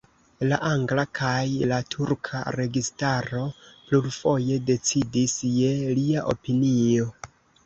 La angla kaj la turka registaro plurfoje decidis je lia opinio.